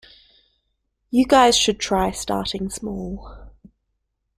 You guys should try starting small.